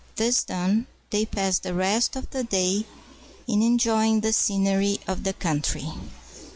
This done, they pass the rest of the day in enjoying the scenery of the country.